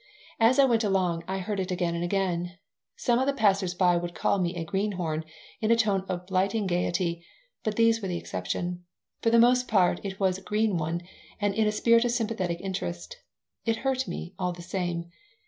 As I went along I heard it again and again. Some of the passers by would call me "greenhorn" in a tone of blighting gaiety, but these were an exception. For the most part it was "green one" and in a spirit of sympathetic interest. It hurt me, all the same.